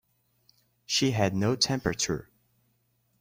She had no temperature.